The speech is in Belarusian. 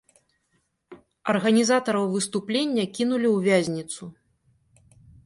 Арганізатараў выступлення кінулі ў вязніцу.